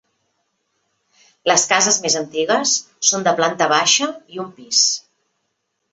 Les cases més antigues són de planta baixa i un pis.